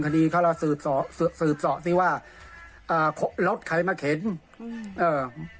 คดีเขาเราสืบสำสืบสองสิว่าเอ่อรถไขม่เข็นอืม